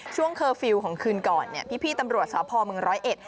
ช่วงเคอร์ฟิลของคืนก่อนพี่ตำรวจสาวพอร์เมืองร้อยเอ็ด